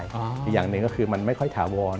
อีกอย่างหนึ่งก็คือมันไม่ค่อยถาวร